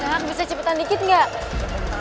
zek bisa cepetan dikit gak